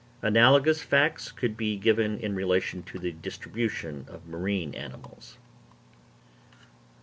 Analogous facts could be given in relation to the distribution of marine animals.